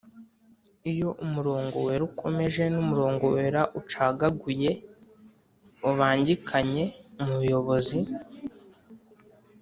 Iyo umurongo wera ukomeje n umurongo wera ucagaguye ubangikanye umuyobozi